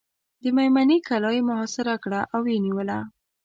د مېمنې کلا یې محاصره کړه او ویې نیوله.